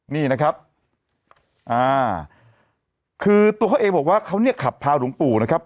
นี่นะครับอ่าคือตัวเขาเองบอกว่าเขาเนี่ยขับพาหลวงปู่นะครับ